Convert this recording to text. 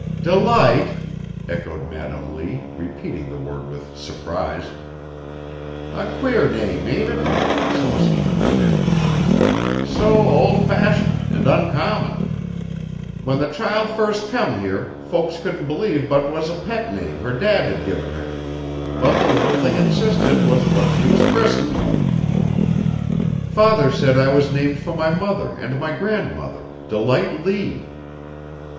"Delight!" echoed Madam Lee, repeating the word with surprise. "A queer name, ain't it?" Celestina put in. "So old fashioned an' uncommon! When the child first come here folks couldn't believe but 'twas a pet name her dad had given her; but the little thing insisted 'twas what she was christened." "Father said I was named for my mother and my grandmother, Delight Lee."